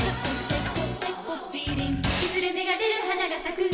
いずれ芽が出る花が咲く